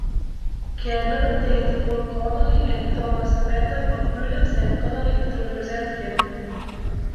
Kerner retained Paul Connolly and Thomas Patton of Williams and Connolly to represent him.